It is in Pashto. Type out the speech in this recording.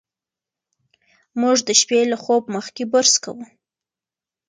موږ د شپې له خوب مخکې برس کوو.